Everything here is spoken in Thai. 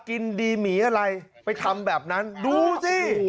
กินดีหมีอะไรไปทำแบบนั้นดูสิ